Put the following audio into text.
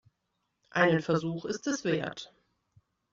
Einen Versuch ist es wert.